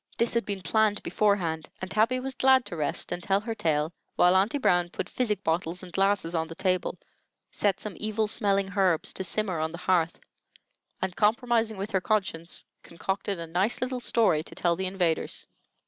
This had been planned beforehand, and Tabby was glad to rest and tell her tale while Aunty Brown put physic bottles and glasses on the table, set some evil smelling herbs to simmer on the hearth, and, compromising with her conscience, concocted a nice little story to tell the invaders.